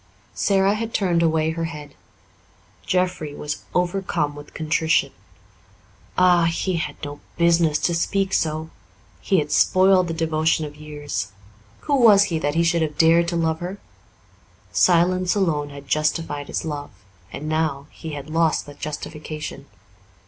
Sara had turned away her head. Jeffrey was overcome with contrition. Ah, he had no business to speak so he had spoiled the devotion of years. Who was he that he should have dared to love her? Silence alone had justified his love, and now he had lost that justification.